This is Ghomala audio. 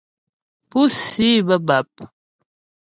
Púsi bə́ bap.